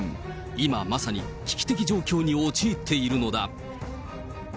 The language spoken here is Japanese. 今まさに危機的状況に陥っているのだ。